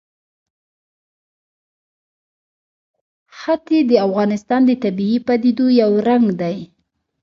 ښتې د افغانستان د طبیعي پدیدو یو رنګ دی.